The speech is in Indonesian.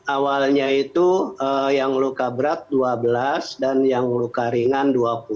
awalnya itu yang luka berat dua belas dan yang luka ringan dua puluh